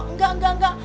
enggak enggak enggak